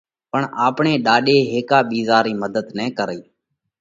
پڻ آپڻي ڏاڏي هيڪا ٻِيزا رئي مڌت نہ ڪرئي،